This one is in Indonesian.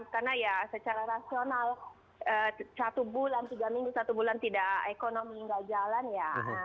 karena ya secara rasional satu bulan tiga minggu satu bulan tidak ekonomi tidak jalan ya